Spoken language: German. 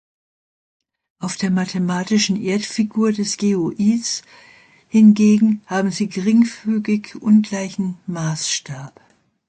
Auf der mathematischen Erdfigur des Geoids hingegen haben sie geringfügig ungleichen Maßstab.